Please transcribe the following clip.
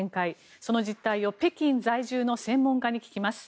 その実態を北京在住の専門家に聞きます。